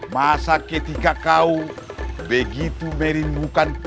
masa ketika kau begitu berimbukan